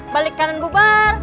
balik kanan bubar